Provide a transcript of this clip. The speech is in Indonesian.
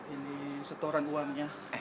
ini setoran uangnya